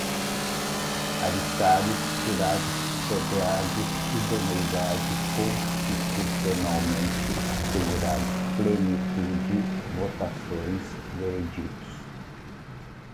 alistados, jurados, sorteados, idoneidade, constitucionalmente, assegurados, plenitude, votações, veredictos